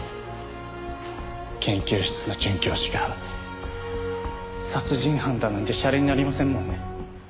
研究室の准教授が殺人犯だなんてシャレになりませんもんね。